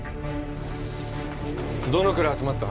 どのくらい集まった？